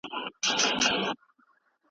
پر امیر باندي هغه ګړی قیامت سو